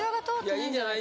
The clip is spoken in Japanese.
いいんじゃない？